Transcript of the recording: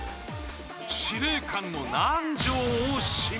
司令官の南條を指名。